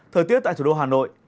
thời tiết tại thủ đô hà nội